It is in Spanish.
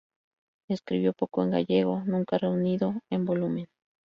Escribió poco en gallego, nunca reunido en volumen.